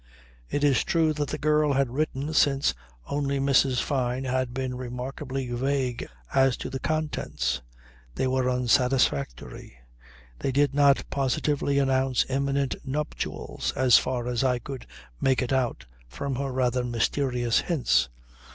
It is true that the girl had written since, only Mrs. Fyne had been remarkably vague as to the contents. They were unsatisfactory. They did not positively announce imminent nuptials as far as I could make it out from her rather mysterious hints.